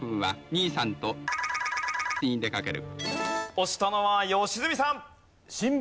押したのは良純さん。